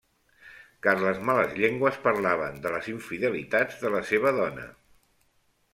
Car les males llengües parlaven de les infidelitats de la seva dona.